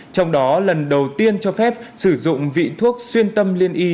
trong đó lần đầu tiên cho phép sử dụng vị thuốc xuyên tâm liên y